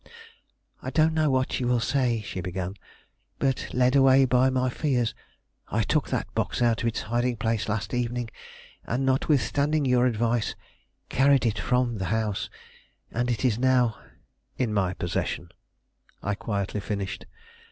"I don't know what you will say," she began, "but, led away by my fears, I took that box out of its hiding place last evening and, notwithstanding your advice, carried it from the house, and it is now " "In my possession," I quietly finished.